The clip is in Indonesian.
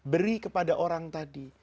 beri kepada orang tadi